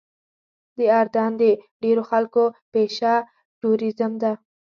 د اردن د ډېرو خلکو پیشه ټوریزم ده.